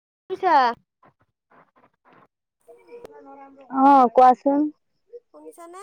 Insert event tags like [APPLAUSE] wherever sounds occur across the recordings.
[UNINTELLIGIBLE] অ', কোৱাচোন। শুনিচানে?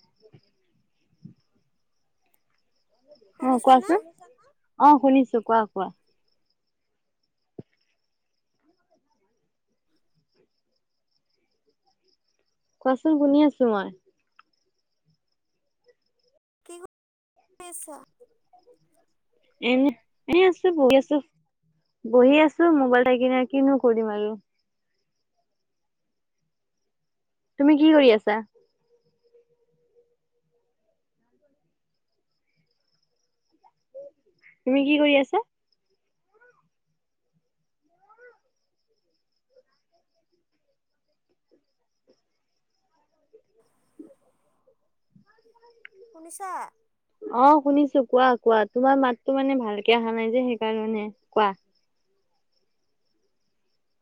[UNINTELLIGIBLE] অ', শুনিছানে কোৱাচোন, অ', শুনিছো কোৱা কোৱা। কোৱাচোন শুনি আছো মই। কি কৰি আছা? এনে এ আছো বহি আছো। বহি আছো মোবাইল চাই কিনে কিনো কৰিম আৰু। তুমি কি কৰি আছা? তুমি কি কৰি আছা? শুনিছা? অ শুনিছো কোৱা কোৱা তোমাৰ মাততো মানে ভালকে অহা নাই যে সেইকাৰণে, কোৱা।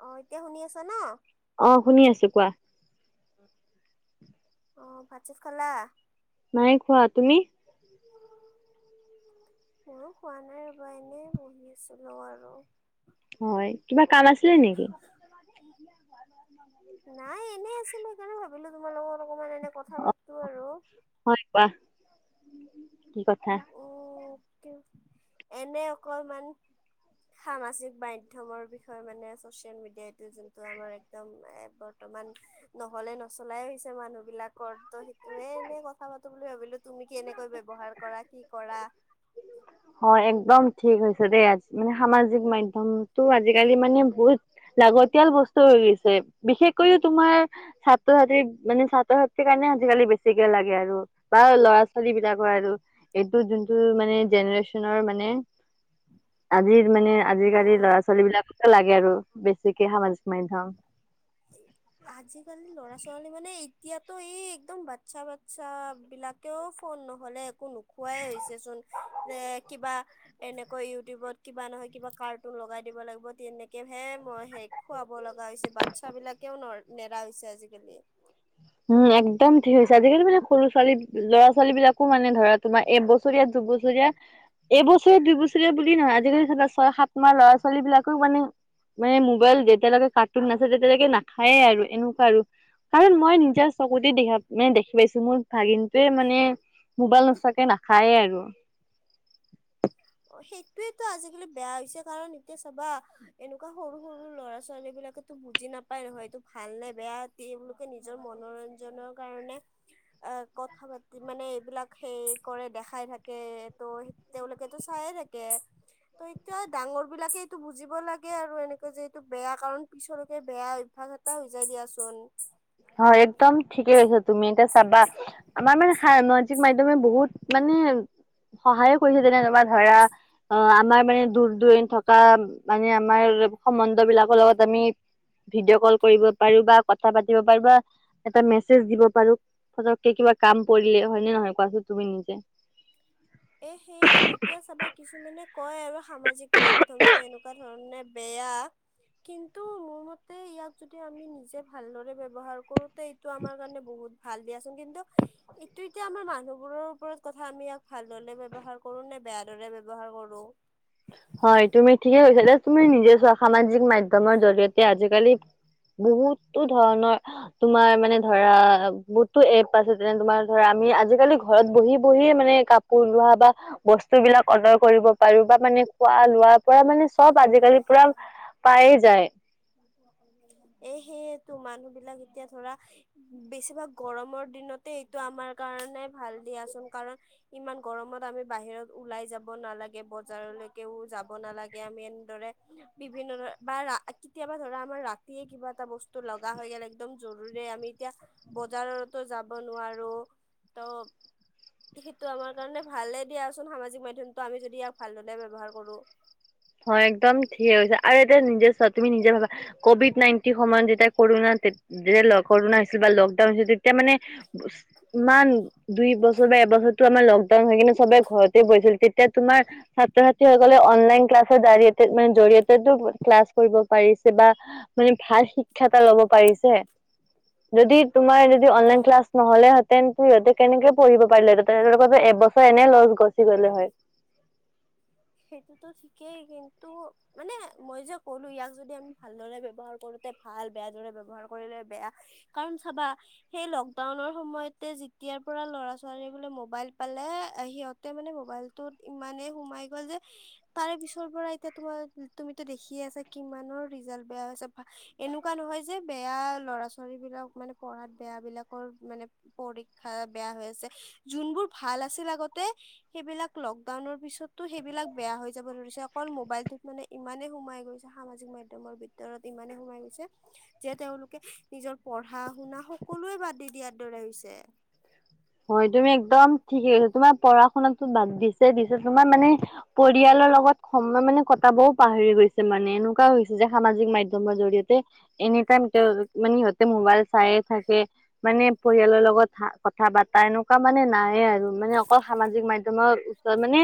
অ এতিয়া শুনি আছা ন? অহ শুনি আছো কোৱা। অঁ ভাত চাট খালা? নাই খোৱা, তুমি? মোৰো কোৱা নাই ৰব এনে বহিছিলো আৰু। হয় কিবা কাম আছিলে নেকি নাই এনে আছিলো সেইকাৰণে ভাবিলো তোমাৰ লগত অকমান কথা অ পাতো আৰু। হয় কোৱা কি কথা? উম এনে অকণমান। সামাজিক মাধ্যমৰ বিষয়ে মানে ছচিয়েল মিডিয়া এইটো যোনটো আমাৰ একদম অমান নহলে নচলাই আহিছে মানুহবিলাকৰ তো সেইটোয়ে এনেই কথা পাতো বুলি ভাবিলো। তুমি কেনেকৈ ব্যৱহাৰ কৰা কি কৰা? হয় একদম ঠিক হৈছে দেই আজ মানে সামাজিক মধ্যমটো আজিকালি মানে বহুত লাগতিয়াল বস্তু হৈ গৈছে, বিশেষকৈও তোমাৰ ছাত্ৰ ছাত্ৰী মানে ছাত্ৰ ছাত্ৰীৰ কাৰণে আজিকালি বেছিকে লগে আৰু বা লৰা ছোৱালীবিলাকৰ আৰু, এইটো জোনটো মানে জেনেৰেচন মানে আজিৰ মানে আজিকালি অ ল'ৰা ছোৱালী বিলাক লাগে আৰু বেছিকে সামাজিক মাধ্যম। আজিকালি ল'ৰা ছ ছোৱালী মানে এতিয়াতো এই একদম বাচ্ছা বাচ্ছা বিলাকেও ফোন নহলে একো নোখোৱা হৈছে চোন যে কিবা এনেকৈ ইউটিউবত কিবা নহয় কিবা কাৰ্টুন লগাই দিব লাগিবনে খুৱাব লগা হৈছে বাচ্ছাবিলাকেও ন নেৰা হৈছে আজিকালি উম একদম ঠিক হৈছে আজিকালি মানে সৰু ছোৱালী ল'ৰা ছোৱালী বিলাকো মানে ধৰা তোমাৰ এবছৰীয়া দুবছৰীয়া এবছৰীয়া দুইবছৰীয়া বুলিয়েই নহয় আজিকালি স ছয় সাত মাহ ল'ৰা ছোৱালী বিলাকও মানে মানে মোবাইল যেতিয়ালৈকে কাৰ্টুন নাছাই তেতিয়ালৈকে নাখায়ে আৰু এনেকুৱা আৰু কাৰণ মই এতিয়া চকুতে দেখা মানে দেখি পাইছো মোৰ ভাগিনটোৱে মানে মোবাইল নোচোৱাকে নাখায়ে আৰু [UNINTELLIGIBLE] সেইটোয়ো আজিকালি বেয়া হৈছে কাৰণ এতিয়া চাবা এনেকুৱা সৰু সৰু ল'ৰা ছোৱালী বিলাকে বুজি নাপায় হয়তটো ভাল নে বেয়া তেওঁলোকে নিজৰ মনোৰঞ্জনৰ কাৰণে অ কথা পাতি মানে এইবিলাক সেই কৰে দেখাই থাকে ত' তেওঁলোকে চাই এ থাকে। ত এটো ডাঙৰ বিলাকে এইটো বুজিব লাগে আৰু এনেকে যে এইটো বেয়া কাৰণ পিছলৈকে বেয়া অভ্যাস এটা হৈ যায় দিয়াচোন হয় একদম ঠিকে কৈছা তুমি এতিয়া চাবা আমাৰ মানে সামাজিক মাধ্যমে বহুত মানে [UNINTELLIGIBLE] সহায়ে কৰিছে যেনেকুৱা ধৰা অ আমাৰ মানে দূৰ দূৰণ থকা মানে আমাৰ সমন্বয় বিলাকৰ লগত আমি ভিডিঅ কল কৰিবা দিব পাৰো বা এটা মেছেজ দিব পাৰো ফতক কে কিবা কাম কৰিলে হয়নেে নহয় কোৱাচোন তুমি নিজে। [INAUDIBLE] এ সেইটো এতিয়া চাবা কিছুমানে কয় আৰু সামাজিক মাধ্যমটো এনেকুৱা ধৰণে বেয়া। কিন্তু, মোৰ মতে ইয়াক যদি আমি নিজে ভালদৰে ব্যৱহাৰ কৰো। এইটো আমাৰ কাৰণে বহুত ভাল দিয়াচোন কিন্তু এইটো এতিয়া আমাৰ মানুহবোৰৰ ওপৰত কথা আমি ভালদৰে ব্যৱহাৰ কৰো নে বেয়া দৰে ব্যৱহাৰ কৰো। হয় তুমি ঠিকে কৈছা যে তুমি নিজে সামাজিক মাধ্যমত জৰিয়তে আজিকালি বহুতো ধৰণৰ তোমাৰ মানে ধৰা বহুতো এপ আছে যেনে তোমাৰ ধৰা আমি আজিকালি ঘৰত বহি বহি মানে কাপোৰ লোৱা বা বস্তু বিলাক অৰ্ডাৰ কৰিব পাৰো বা মানে। পোৱা লোৱাৰ পৰা মানে। চব আজিকালি পুৰা পায়ে যায়। এই সেই মানুহ বিলাক এতিয়া ধৰা বেছিভাগ গৰমৰ দিনতে এইটো আমাৰ কাৰণে ভাল। দিয়াচোন কাৰণ ইমান গৰমত আমি বাহিৰত ওলাই যাব নালাগে বজাৰলৈকেও যাব ন। আমি এনে বিভিন্ন ধৰণ বা কেতিয়াবা ধৰা আমাৰ ৰাতিয়ে কিবা এটা বস্তু তটো লগা হৈ গ'ল একদম জোৰ ৰে আমি এতিয়া বজাৰতো যাব নোৱাৰো ত সেইটো আমাৰ কাৰণে ভালে দিয়াচোন সামাজিক মাধ্যমটো আমি যদি ইয়াক ভালদলে ব্যৱহাৰ কৰো। হয়, একদম ঠিকে কৈছা আৰু এতিয়া নিজ তুমি নিজে ভাবা ক'ভিড নাইনটিন সময়ত যেতিয়া কৰোণাত যেতিয়া কৰোণা হৈছিল বা লকডাউন হৈছিল তেতিয়া মানে ইমান দুই বছৰ দুটা বছৰ লক ডাউন হয় কিনে চবে ঘৰ বহিছিল তেতিয়া তোমাৰ ছাত্ৰ ছাত্ৰীসকলে অনলাইন ক্লাছ। জতে মানে জৰিয়তেো ক্লাছ কৰিব পাৰিছে বা মানে ভাল শিক্ষা এটা ল'ব পাৰি। যদি তোমাৰ যদি অনলাইন অ ক্লাছ নহ'লে হেতেন। সিহঁতে কেনেকে পঢ়িব পাৰিলে আৰু এবছৰ এনে লছ গছি গ'লে হয়। [INAUDIBLE] সেইটোতো ঠিকেই, কিন্তু মানে মই যে ক'লো ইয়াক যদি আমি ভালদৰে ব্যৱহাৰ কৰো। ভাল বেয়া দৰে ব্যৱহাৰ কৰিলে বেয়া কাৰণ চাবা সেই লকডাউনৰ সময়তে যেতিয়া। তেতিয়াৰ পৰা ল'ৰা ছোৱালী বোলে মোবাইল পালে সিহঁতে মানে মোবাইলটোত ইমানেই সোমাই গ'ল যে [UNINTELLIGIBLE] তাৰে পিছৰ পৰা এতিয়া তোমাৰ তুমিতো দেখিয়ে আছা কিমানৰ ৰিজাল্ট বেয়া হৈছে এনেকুৱা নহয় হয়, যে বেয়া লৰা ছোৱালী বিলাক মানে পঢ়াত বেয়া বিলাকৰ মানে পৰীক্ষা বেয়া হৈ আ ভাল আছিল আগতে সেইবিলাক লকডাউনৰ পিছতো সেইবিলাক বেয়া হৈ যাব ধৰিছে অকল মোবাইলটোত মানে ইমানেই সোমাই গৈছে, সামাজিক মাধ্যমৰ ভিতৰত ইমানে সোমাই গৈছ যে তেওঁলোকে নিজৰ পঢ়া শুনা সকলোৱে বাদ দি দিয়াৰ দৰে হৈছে। [INAUDIBLE] হয়, তুমি একদম ঠিকে কৈছ তোমাৰ পঢ়া শুনাতো বাদ দিছে দিছে তোমাৰ মানে পৰিয়ালৰ লগত লগ সময় মানে কটাবও পাহৰি গৈছে মানে এনেকুৱা হৈছে, যে সামাজিক মাধ্যমৰ জৰিয়তে এনে সেই কাৰণে তেওঁ মানে সিহঁতে মোবাইল চাই থাকে মানে পৰিয়ালৰ লগত কথা বাতা এনেকুৱা মানে নায়ে আৰু মানে অকল সামাজিক মাধ্যমৰ ওচৰত মানে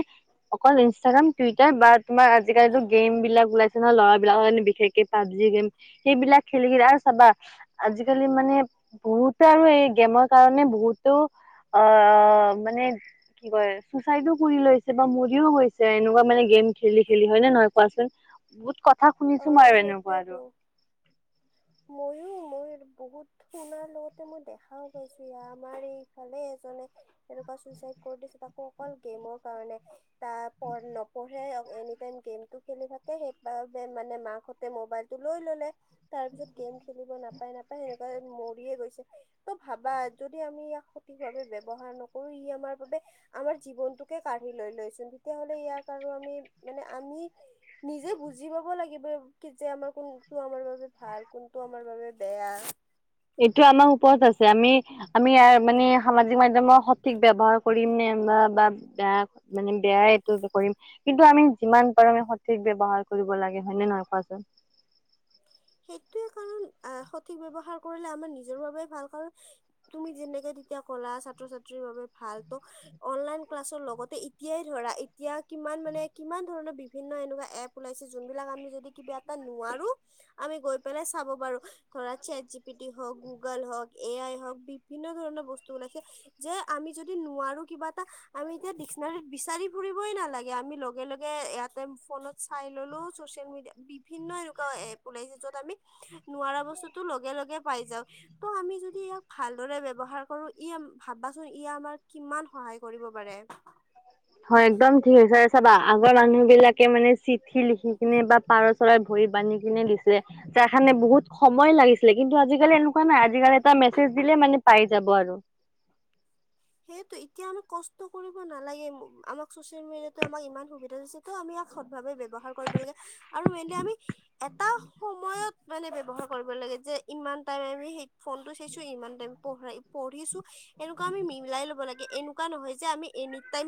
অকল ইনষ্টাগ্ৰাম টুইটাৰ বা তোমাৰ আজিকালিতো গেমবিলাক ওলাইছে নহয় ল'ৰাবিলাকৰ বিশেষকে পাবজি গেম সেইবিলাক খেলি কি আৰু চাবা আজিকালি মানে বহুতো আৰু এই গেমৰ কাৰণে বহুত তটো অ, মানে কি কয় চুচাইডো কৰি লৈছে, বা মৰিও গৈছে এনেকুৱা মানে খেলি খেলি হয় নে নহয় কোৱাচোন, বহুত ক কথা অ শুনিছো বাৰু এনেকুৱা আৰু সেইটোয়েতো ম বহুত শুনাৰ লগতে মই দেখাও পাইছো, ই আমাৰ এই ইফালে এজনে এনেকুৱা চুইচাইদ কৰি দিছিল তাকো অকল গেমৰ কাৰণে তাৰ পৰা নপঢ়ে, এনিটাইম গেমটো খেলি থাকে, সেই মানে মাকহঁতে ম'বাইলটো লৈ ল'লে, তাৰ পিছত গেম খেল উপায় নাপায় সেনেকুৱা মৰিয়ে গৈছে। ত' ভাবা যদি আমি ইয়াক সঠিক ভাৱে ব্যৱহাৰ নকৰো আমাৰ বাবে আমাৰ জীৱনটোকে কাঢ়ি লৈ লৈচোন তেতিয়া হ'লে ইয়াক আৰু আমি মানে আমি নিজে বুজি পাব কি লাগিব যে আমাৰ কোন তোমাৰ বাবে ভাল কোনটো আমাৰ বাবে বেয়া এইটো আমাৰ ওপৰত আমি আছে আমি ইয়াৰ মানে সামাজিক মাধ্যমৰ সঠিক ব্যৱহাৰ কৰিম নে বা বা বেয়া মানে বেয়াই এইটো কৰিম, কিন্তু আমি যিমান পাৰো আমি সঠিক ব্ৱহাৰ কৰিব লাগে, হয় নে নহয় কোৱাচোন। [INAUDIBLE] সেইটোয়ে কাৰণ, আ সঠিক ব্যৱহাৰ কৰিলে আমাৰ নিজৰ বাবেই ভাল, কাৰণ তুমি যেনেকে ক'লা ছাত্ৰ-ছাত্ৰীৰ বাবে ভাল হ'ব, অনলাইন ক্লাছৰ লগতে এতিয়াই ধৰা এতিয়া কিমান মানে কিমান ধৰণৰ বিভিন্ন এনেকুৱা এপ ওলাইছে যোন বিলাক আমি যদি কিবা এটা নোৱাৰো আমি গৈ পেলাই চাব পাৰো, ধৰা চেট জি পি টি হওঁক বা গুগল হওক এ আই হওক বিভিন্ন ধৰণৰ বস্তু ওলাইছে, যে আমি যদি নোৱাৰো কিবা এটা, আমি এতিয়া বিচাৰি ফুৰিবই নালাগে, আমি লগে লগে ইয়াতে ফোনত চাই ল'লো, চচিয়েল মিডিয়া বিভিন্ন এনেকুৱা এপ ওলাইছে, য'ত আমি নোৱাৰ বস্তুতো লগে লগে পাই যাও, ত' আমি যদি ইয়াক ভালদৰে ব্যৱহাৰ ব্যৱহাৰ কৰো, ই ভাবাচোন ই আমাৰ কিমান সহায় কৰিব পাৰে। হয়, একদম ঠিক হৈছে চাবা, আগৰ মানুহ বিলাকে মানে চিঠি লিখি কিনে বা পাৰ চৰাই ভৰিত বান্ধি কিনে দিছিলে, তাৰ কাৰণে বহুত সময় লাগিছিলে, কিন্তু আজিকালি এনেকুৱা নাই, আজিকালি এটা মেছেজ দিলেই মানে পাই যাব আৰু [INAUDIBLE] সেইটো এতিয়া আমি কষ্ট কৰিব নালাগে আমাক চ'চিয়েল মিডিয়াটো আমাক ইমান সুবিধা দিছে, ত' আমি ইয়াক সদভাৱে ব্যৱহাৰ কৰ আপোনালোকে আৰু মেইনলী আমি এটা সময়ত মানে ব্যৱহাৰ কৰিব লাগে যে ইমানটাই আমি সেই ফোনটো চাইছোঁ, ইমান টাইম পঢ়-পঢ়িছোঁ, এ আমি মিলাই ল'ব লাগে, এনেকুৱা নহয় যে আমি এনিটাইম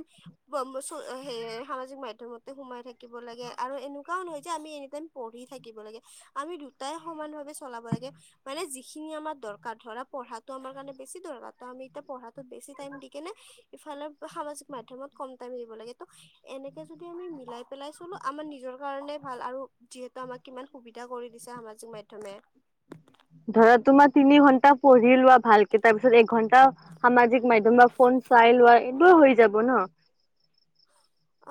[UNINTELLIGIBLE] সামাজিক মাধ্যমতে সোমাই থাকিব লাগে, আৰু এনেকুৱাও নহয় যে আমি এনিটাইম কিব লাগে, মানে যিখিনি আমাৰ দৰকাৰ, ধৰা পঢ়াটো আমাৰ কাৰণে বেছি দৰকাৰ, ত' আমি এতিয়া পঢ়া বেছি টাইম দি কেনে, ইফালে সামাজিক মাধ্যমত কম টাইম দিব লাগে, ত' এনে এতিয়া যদি আমি মিলাই পেলাই চলো, আমাৰ নিজৰ কাৰণেই ভাল, আৰু যিহেতু আমাক কিমান সুবিধা কৰি দিছে আমাক সামাজিক সামাজিক মাধ্যমে ধৰা তোমাৰ তিনি ঘণ্টা পঢ়ি লোৱা ভালকে তাৰ পিছত এঘন্টা সামাজিক মাধ্যম বা ফোন চাই লোৱা শুবই হৈ যাব ন।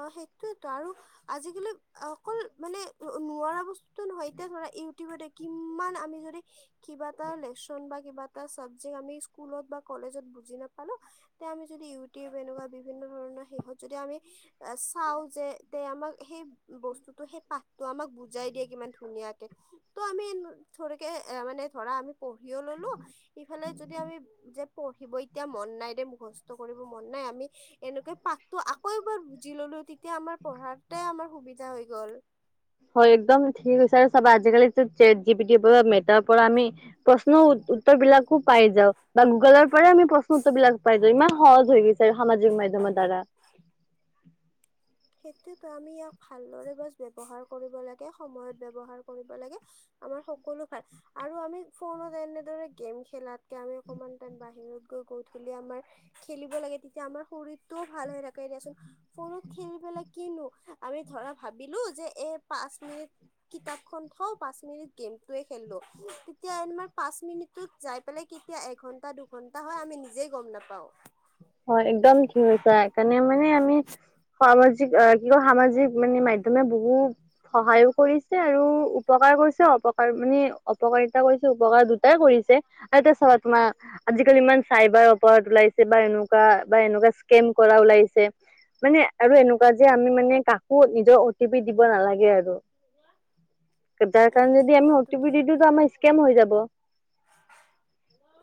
অ', সেইটোয়েইতো, আৰু আজিকালি অকল মানে নোৱাৰা বস্তুটো নহয়, এতিয়া ধৰা ইউটিউবতে কিমান আমি যদি কিবা এটা লেচন বা কিবা এটা চাবজেক্ট আমি স্কুলত বা কলেজত বুজি নাপালোঁ, তেতিয়া আমি যদি ইউটিউব এনেকুৱা বিভিন্ন ধৰণৰ শেষত যদি আমি চাওঁ যে, তে আমাক সেই বস্তুটো, সেই পাঠটো আমাক বুজাই দিয়ে কিমান ধুনীয়াকে। ত' আমি থৰিকে এ মানে ধৰা আমি পঢ়িও ল'লো, ইফালে যদি আমি যে পঢ়িব এতিয়া মন নাই দে, মুখস্থ কৰিব মন নাই, আমি এনেকে পাঠতো আকৌ এবাৰ বুজি ল'লো, তেতিয়া আমাৰ পঢ়াতে আমাৰ সুবিধা হৈ গ'ল। হয় একদম ঠিক হৈছে, আৰু চাবা, আজিকালিতো ছেট যি পি টিৰ পৰা মেটাৰ পৰা আমি প্ৰশ্নও উত্তৰ বিলাকো পাই যাওঁ, বা গুগলৰ পৰাই আমি প্ৰশ্ন উত্তৰ বিলাক পাই যাওঁ, ইমান সহজ হৈ গৈছে। সামাজিক মাধ্যমৰ দ্বাৰা সেইটোতো আমি ইয়াক ভালদৰে বছ ব্যৱহাৰ কৰিব লাগে, সময়ত ব্যৱহাৰৰ কৰিব লাগে। আমাৰ সকলো ভাল আৰু আমি ফোনত এনেদৰে গেম খেলাতকে আমি অকমান বাহিৰত গধূলি আমাৰ খেলিব লাগে তেতিয়া আমাৰ শৰীৰটোও ভাল হৈ থাকে এতিয়াচোন সৰু খেলি পেলাই কিনো আমি ধৰা ভাবিলো যে এই পাঁচ মিনিট কিতাপ খন থওঁ পাচঁ পাচঁ মিনিট গেমটো ৱে খেলিলো কেতিয়া আমাৰ পাচঁ মিনিট টো যায় পেলায় কেতিয়া এঘন্টা দুঘণ্টা ত হয় আমি নিজেই গ'ম নাপাওঁ। হয়, একদম ঠিক কৈছা, সেইকাৰণে মানে আমি খোৱাবছ কি কয়, সামাজিক মানে মাধ্যমে বহুত সহায়ও কৰিছে আৰু উপকাৰ কৰিছে, অপকাৰ মানে অপকাৰিতা কৰিছে, উপকাৰ দুটাই কৰিছে আৰু এতিয়া চাবা তোমাৰ, আজিকালি ইমান চাইবাৰ অপৰাধ ওলাইছে বা এনু বা-বাএনেকুৱা স্কেম কৰা ওলাইছে মানে আৰু এনেকুৱা যে আমি মানে কাকো নিজৰ অ' টি পি দিব নালাগে আৰু। তাৰ এ কাৰণে যদি আমি অ' টি পি সেইটোৱেটোতো দি দিওঁ, এতিয়া ত' আমাৰ স্কেম হৈ যাব। [UNINTELLIGIBLE]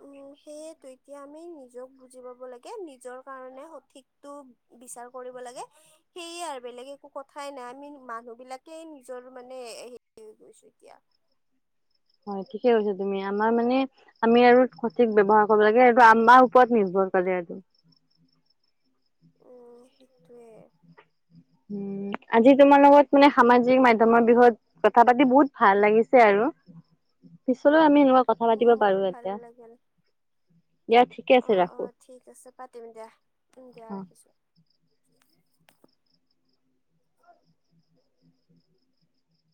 উম, সেয়েতো এতিয়া আমি নিজক বুজি পাব লাগে, নিজৰ কাৰণে সঠিকতো বিচ কৰিব লাগে সেয়ে আৰু বেলেগ একো কথাই নাই আমি মানুহ বিলাকে নিজৰ মানে হেৰি [UNINTELLIGIBLE] হয় ঠিকে কৈছ, তুমি আমাৰ মানে আমি আৰু সঠিক ব্যৱহাৰ কৰিব লাগে আৰু আমাৰ ওপৰত নিৰ্ভৰ কৰে টো উম, সেইটোৱে উম, ন আজি তোমাৰ লগত মানে সামাজিক মাধ্যমত বিষয়ত কথা পাতি বহুত ভাল লাগিছে, আৰু [UNINTELLIGIBLE] পিছলৈ আমি এনেকুৱা কথা উম পাতিব পাৰো মোৰো ভাল এতিয়া লাগিল দিয়া ঠিকে আছে অ' ৰাখো। অ' ঠিক আছে পাতিম দিয়া দিয়া ৰাখিছোঁ।